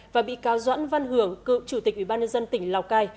và bị cáo doãn văn hưởng cựu chủ tịch ủy ban nhân dân tỉnh lào cai